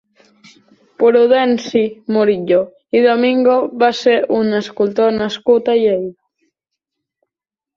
Prudenci Murillo i Domingo va ser un escultor nascut a Lleida.